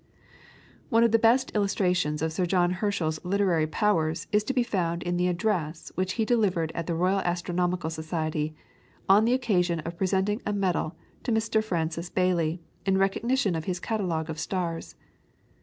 One of the best illustrations of Sir John Herschel's literary powers is to be found in the address which he delivered at the Royal Astronomical Society, on the occasion of presenting a medal to Mr. Francis Baily, in recognition of his catalogue of stars.